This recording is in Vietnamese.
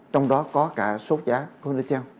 trong đó có cả sốt giá con đất treo